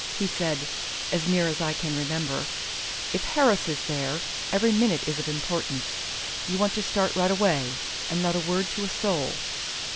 He said, as near as I can remember: 'If Harris is there, every minute is of importance. You want to start right away. And not a word to a soul.'